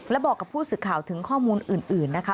และบอกกับผู้สื่อข่าวถึงข้อมูลอื่นนะคะ